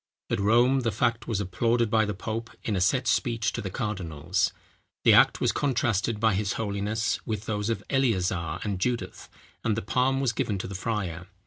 At Rome, the fact was applauded by the pope in a set speech to the cardinals. The act was contrasted by his holiness, with those of Eleazar and Judith, and the palm was given to the friar.